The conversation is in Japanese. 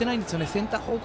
センター方向